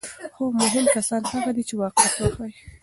خو مهم کسان هغه دي چې واقعیت وښيي.